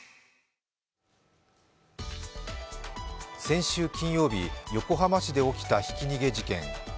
先週金曜日、横浜市で起きたひき逃げ事件。